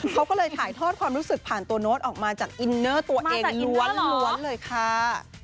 เขาก็เลยถ่ายทอดความรู้สึกผ่านตัวโน้ตออกมาจากอินเนอร์ตัวเองล้วนเลยค่ะ